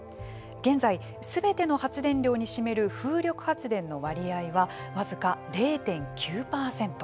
現在、すべての発電量に占める風力発電の割合は、僅か０．９％。